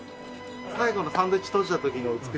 最後のサンドイッチ閉じた時の美しさ。